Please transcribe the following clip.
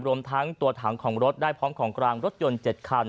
รวมทั้งตัวถังของรถได้พร้อมของกลางรถยนต์๗คัน